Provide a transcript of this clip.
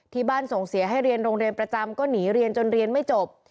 ส่งเสียให้เรียนโรงเรียนประจำก็หนีเรียนจนเรียนไม่จบ